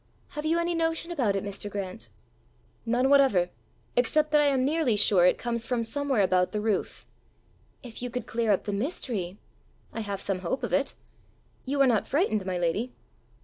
Have you any notion about it, Mr. Grant?" "None whatever except that I am nearly sure it comes from somewhere about the roof." "If you could clear up the mystery!" "I have some hope of it. You are not frightened, my lady?"